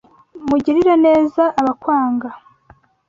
Mugirire neza abakwanga.